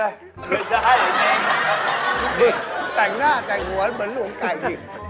ไม่ได้เหรอเนี่ยสุดยอดแต่งหน้าแต่งหัวเหมือนหลงไก่ดิ